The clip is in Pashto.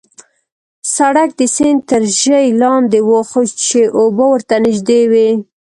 سړک د سیند تر ژۍ لاندې وو، چې اوبه ورته نژدې وې.